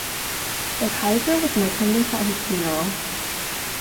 The Kaiser was in attendance at his funeral.